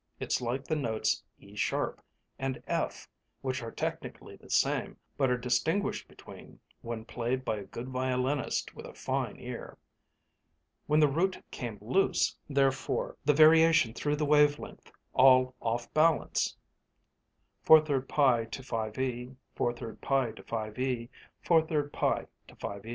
It's like the notes E sharp and F, which are technically the same, but are distinguished between when played by a good violinist with a fine ear. When the root came loose, therefore, the variation threw the wave length all off balance:) 4/3pi to 5e, 4/3pi to 5e, 4/3pi to 5e....